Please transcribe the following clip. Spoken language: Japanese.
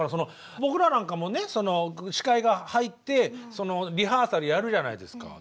僕らなんかもねその司会が入ってリハーサルやるじゃないですか。